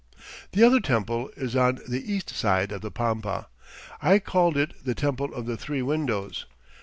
The other temple is on the east side of the pampa. I called it the Temple of the Three Windows.